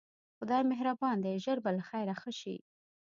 خدای مهربان دی ژر به له خیره ښه شې.